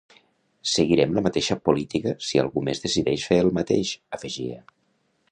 Seguirem la mateixa política si algú més decideix fer el mateix, afegia.